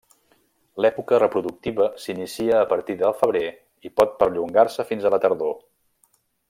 L'època reproductiva s'inicia a partir del febrer i pot perllongar-se fins a la tardor.